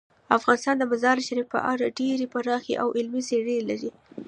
افغانستان د مزارشریف په اړه ډیرې پراخې او علمي څېړنې لري.